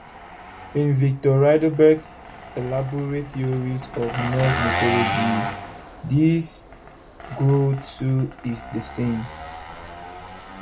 In Viktor Rydberg's elaborate theories on Norse mythology this Gro, too, is the same.